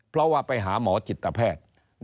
เพราะว่าไปหาหมอจิตแพทย์